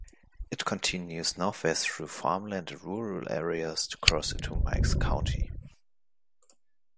It continues northwest through farmland and rural areas to cross into Meigs County.